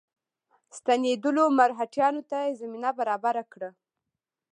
ستنېدلو مرهټیانو ته زمینه برابره کړه.